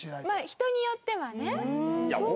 まあ人によってはね。いや。